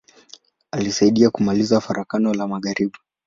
Alisaidia kumaliza Farakano la magharibi.